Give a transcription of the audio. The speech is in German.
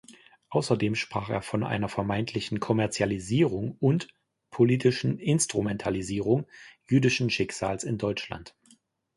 Außerdem sprach er von einer vermeintlichen „Kommerzialisierung“ und „politischen Instrumentalisierung“ jüdischen Schicksals in Deutschland.